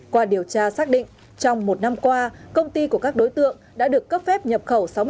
qua điều tra xác định trong một năm qua công ty của các đối tượng đã được cấp phép nhập khẩu